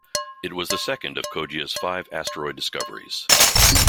It was the second of Coggia's five asteroid discoveries.